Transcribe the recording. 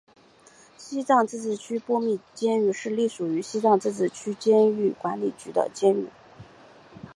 西藏自治区波密监狱是隶属于西藏自治区监狱管理局的监狱。